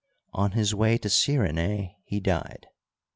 On his way to Cyrenae he died.